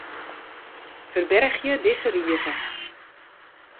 Ferbergje dizze rige.